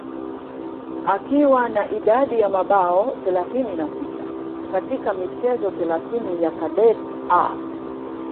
akiwa na idadi ya mabao thelathini na sita katika michezo thelathini ya kadet A